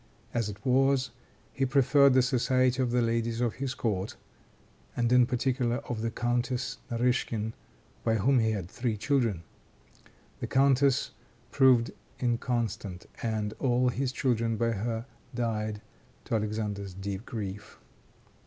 As it was, he preferred the society of the ladies of his court, and in particular of the Countess Narishkin, by whom he had three children. The countess proved inconstant, and all his children by her died, to Alexander's deep grief.